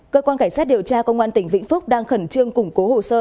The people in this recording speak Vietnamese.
cơ quan cảnh sát điều tra công an tỉnh vĩnh phúc đang khẩn trương củng cố hồ sơ